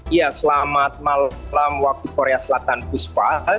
ya selamat malam waktu korea selatan puspa